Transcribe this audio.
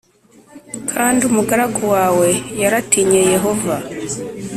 kandi umugaragu wawe yaratinye Yehova